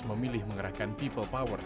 memilih mengerahkan people power